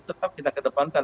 tetap kita kedepankan